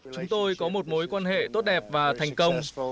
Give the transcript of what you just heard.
chúng tôi có một mối quan hệ tốt đẹp và thành công